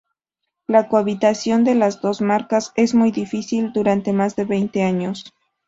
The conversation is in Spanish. La cohabitación de las dos marcas es muy difícil durante más de veinte años.